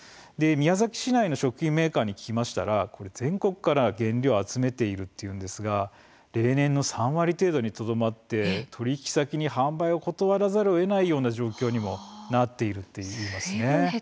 宮崎市内の食品メーカーに聞きましたら全国から原料を集めているというんですが例年の３割程度にとどまって取引先に販売を断らざるをえない状況にもなっているといいます。